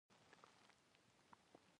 کچالو له غنم سره یو وخت حاصلیږي